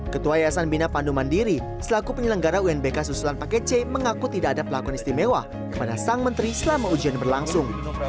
ketua yayasan bina pandu mandiri selaku penyelenggara unbk susulan paket c mengaku tidak ada pelakon istimewa kepada sang menteri selama ujian berlangsung